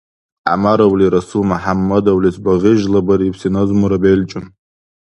ГӀямаровли Расул МяхӀяммадовлис багъишлабарибси назмура белчӀун.